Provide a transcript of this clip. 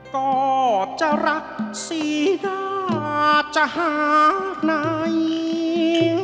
กอบจะรักศีราชภาพณายี